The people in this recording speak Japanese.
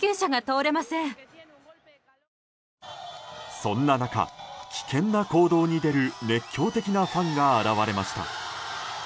そんな中、危険な行動に出る熱狂的なファンが現れました。